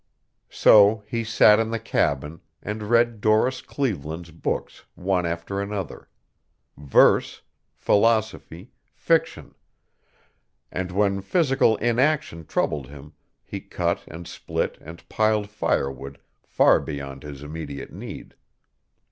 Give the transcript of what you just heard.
So he sat in the cabin and read Doris Cleveland's books one after another verse, philosophy, fiction and when physical inaction troubled him he cut and split and piled firewood far beyond his immediate need.